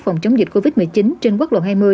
phòng chống dịch covid một mươi chín trên quốc lộ hai mươi